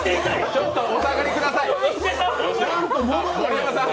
ちょっとお下がりください。